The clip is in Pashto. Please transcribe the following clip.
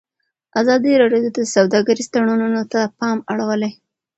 ازادي راډیو د سوداګریز تړونونه ته پام اړولی.